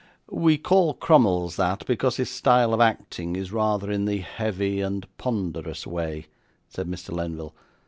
'We call Crummles that, because his style of acting is rather in the heavy and ponderous way,' said Mr. Lenville.